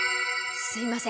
すいません。